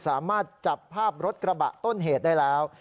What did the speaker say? สามารถจับภาพรถกระบะต้นเหตุได้แล้ว